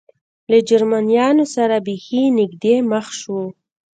له جرمنیانو سره بېخي نږدې مخ شو.